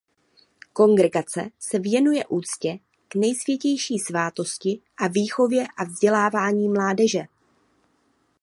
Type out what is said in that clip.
Kongregace se věnuje úctě k Nejsvětější svátosti a výchově a vzdělávání mládeže.